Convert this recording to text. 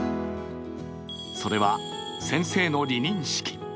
それは、先生の離任式。